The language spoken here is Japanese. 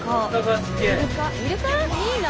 いいな。